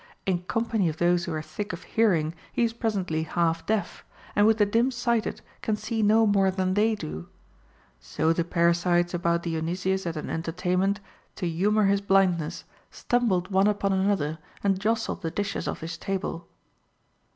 In company of those who are thick of hearing, he is presently half deaf, and with the dim sighted can see no more than they do. So the parasites about Diony sius at an entertainment, to humor his blindness, stumbled one upon another and jostled the dishes off his table.